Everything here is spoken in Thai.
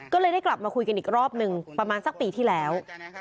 ก็เลยได้กลับมาคุยกันอีกรอบหนึ่งประมาณสักปีที่แล้ว